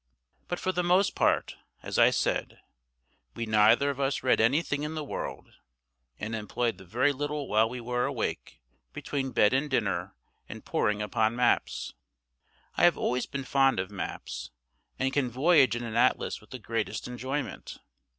But for the most part, as I said, we neither of us read anything in the world, and employed the very little while we were awake between bed and dinner in poring upon maps. I have always been fond of maps, and can voyage in an atlas with the greatest enjoyment.